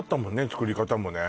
作り方もね